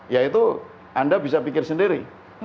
yaitu anda bisa pikir sendiri